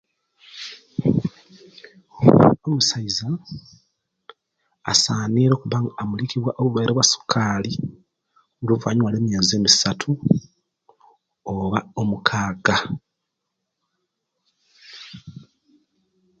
Omusaiza asanire okuba nga amulikiwa obulwaire obwa sukali oluvanyuma lwa miazi emisatu oba omukaga